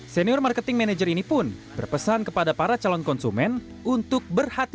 senior marketing manager ini pun berpesan kepada para calon konsumen untuk berhati hati